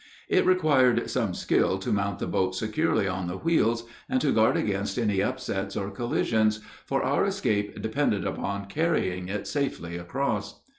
It required some skill to mount the boat securely on the wheels and to guard against any upsets or collisions, for our escape depended upon carrying it safely across.